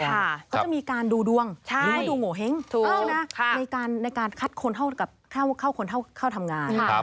เขาจะมีการดูดวงหรือว่าดูโงเห้งถูกใช่ไหมในการคัดคนเข้าคนเข้าทำงาน